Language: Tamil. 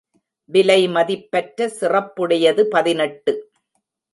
விலை மதிப்பற்ற சிறப்புடையது பதினெட்டு .